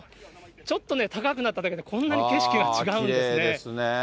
ちょっとね、高くなっただけでこんなに景色が違うんですね。